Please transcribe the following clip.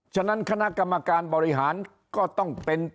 ฉะนั้นคณะกรรมการบริหารก็ต้องเป็น